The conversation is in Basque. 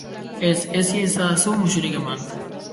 Ez, ez iezadazu musurik eman.